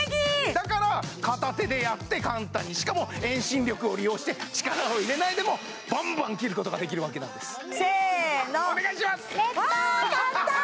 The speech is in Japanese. だから片手でやって簡単にしかも遠心力を利用して力を入れないでもバンバン切ることができるわけなんですせのお願いしますわあ簡単！